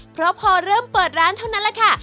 เพราะพอเริ่มเปิดร้านเท่านั้นแหละค่ะ